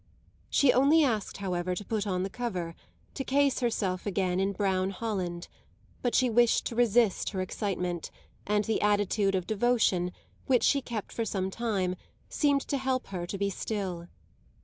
She only asked, however, to put on the cover, to case herself again in brown holland, but she wished to resist her excitement, and the attitude of devotion, which she kept for some time, seemed to help her to be still.